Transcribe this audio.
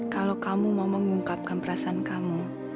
kalau kamu mau mengungkapkan perasaan kamu